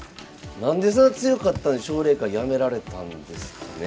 何でそんな強かったのに奨励会辞められたんですかね。